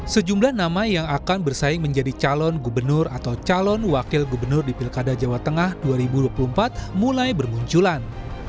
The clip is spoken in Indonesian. sejumlah nama yang akan bersaing menjadi calon gubernur atau calon wakil gubernur di pilkada jawa tengah dua ribu dua puluh empat mulai bermunculan